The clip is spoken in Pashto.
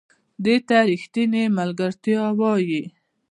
دې ته ریښتینې ملګرتیا وایي .